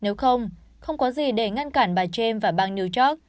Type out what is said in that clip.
nếu không không có gì để ngăn cản bà chem và bang new york